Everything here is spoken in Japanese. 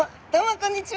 こんにちは！